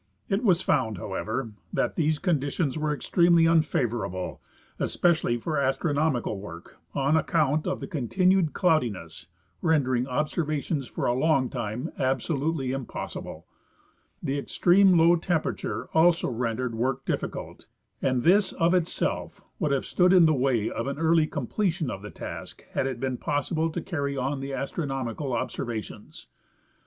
It was found, however, that these conditions were extremely unfavorable, especially for astronomical work, on account of the continued cloudiness, rendering observations for a long time absolutely impossible. The extreme Ioav tempera ture also rendered work difficult, and this of itself would have stood in the way of an early completion of the task had it been possible to carry on the astronomical observations.